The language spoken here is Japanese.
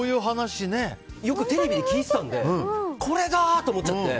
よくテレビで聞いてたのでこれが！と思っちゃって。